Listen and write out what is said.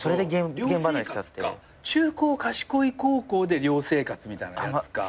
中高賢い高校で寮生活みたいなやつか。